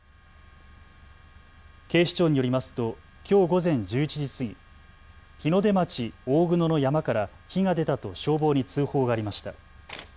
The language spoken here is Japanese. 警視庁によりますときょう午前１１時過ぎ、日の出町大久野の山から火が出たと消防に通報がありました。